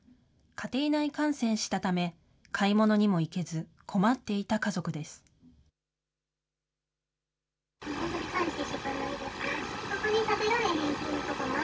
家庭内感染したため、買い物にも行けず、困っていた家族です。